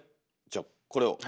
じゃこれを。